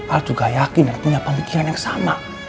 ah juga yakin dan punya pemikiran yang sama